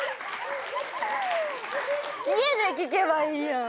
家で聞けばいいやん。